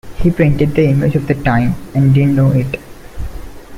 He painted the image of the time and didn't know it.